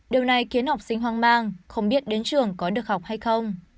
điều này khiến học sinh hoang mang không biết đến trường có được học hay không